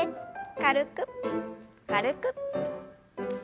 軽く軽く。